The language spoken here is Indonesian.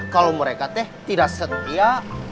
kalau mereka teh tidak setia